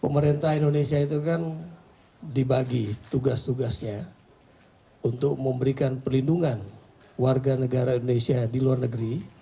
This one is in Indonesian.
pemerintah indonesia itu kan dibagi tugas tugasnya untuk memberikan perlindungan warga negara indonesia di luar negeri